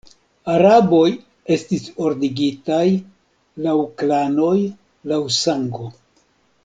Araboj estis ordigitaj laŭ klanoj, laŭ sango.